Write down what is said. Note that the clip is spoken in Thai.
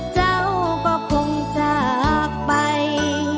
เจ้าก็คงจากไป